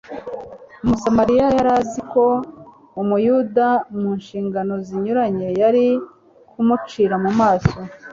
Umusamariya yari azi ko umuyuda mu nshingano zinyuranye yari kumucira mu maso